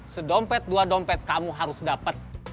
sedompet dua dompet kamu harus dapat